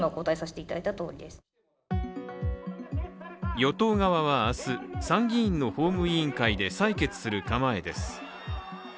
与党側は明日、参議院の法務委員会で採決する構えです。